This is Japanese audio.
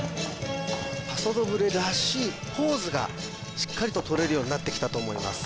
パソドブレらしいポーズがしっかりととれるようになってきたと思います